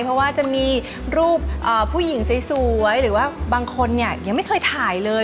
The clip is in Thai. เพราะว่าจะมีรูปผู้หญิงสวยหรือว่าบางคนเนี่ยยังไม่เคยถ่ายเลย